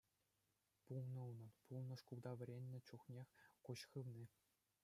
Пулнӑ унӑн, пулнӑ шкулта вӗреннӗ чухнех куҫ хывни.